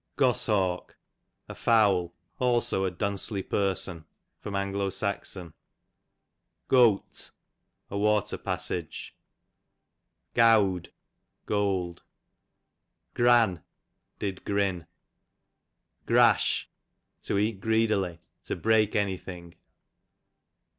Goshawk, a fowl ; also a duncely person. A. S. Gote, a loater passage. Gowd, gold. Gran, did grin. Grash, to eat greedily, to break any thing.